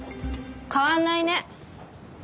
変わんないね。